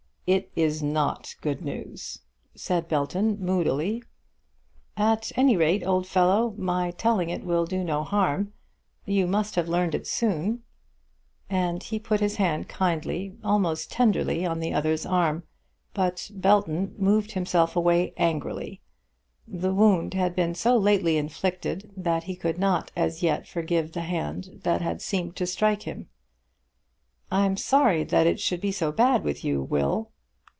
"It is not good news," said Belton moodily. "At any rate, old fellow, my telling it will do no harm. You must have learned it soon." And he put his hand kindly, almost tenderly, on the other's arm. But Belton moved himself away angrily. The wound had been so lately inflicted that he could not as yet forgive the hand that had seemed to strike him. "I'm sorry that it should be so bad with you, Will."